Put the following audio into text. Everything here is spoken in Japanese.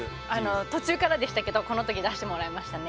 途中からでしたけどこの時出してもらえましたね。